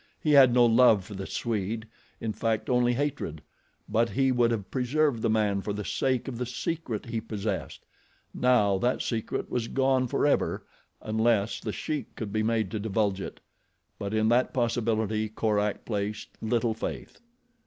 He had no love for the Swede, in fact only hatred; but he would have preserved the man for the sake of the secret he possessed. Now that secret was gone forever unless The Sheik could be made to divulge it; but in that possibility Korak placed little faith.